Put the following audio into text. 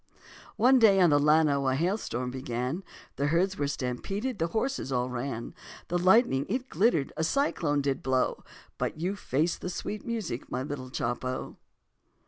One day on the Llano a hailstorm began, The herds were stampeded, the horses all ran, The lightning it glittered, a cyclone did blow, But you faced the sweet music, my little Chopo.